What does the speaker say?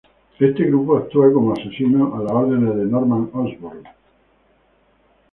Este grupo actúa como asesinos a las órdenes de Norman Osborn.